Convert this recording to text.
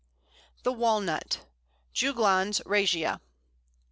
] The Walnut (Juglans regia).